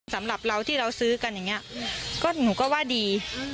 สำหรับเราที่เราซื้อกันอย่างนี้ก็หนูก็ว่าดี